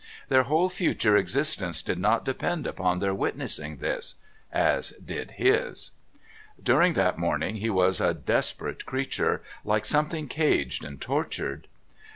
Their whole future existence did not depend upon their witnessing this, as did his. During that morning he was a desperate creature, like something caged and tortured.